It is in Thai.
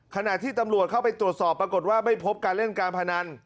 ขณะที่ตำรวจเข้าไปตรวจสอบปรากฏว่าไม่พบการเล่นการพนัน